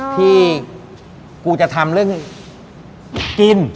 ที่กูจะทำเรื่องกิน